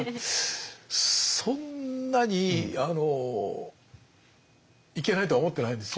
そんなにあのいけないとは思ってないんですよ。